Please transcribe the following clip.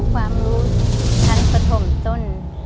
ความรู้ชั้นปฐมต้น